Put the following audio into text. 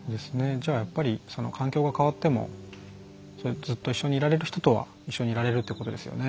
じゃあやっぱり環境が変わってもずっと一緒にいられる人とは一緒にいられるってことですよね。